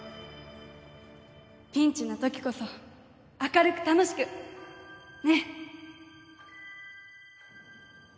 ピンチのときこそ明るく楽しくね！